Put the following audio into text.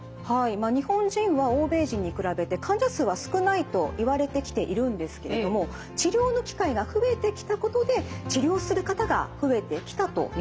まあ日本人は欧米人に比べて患者数は少ないといわれてきているんですけれども治療の機会が増えてきたことで治療する方が増えてきたと見られているんです。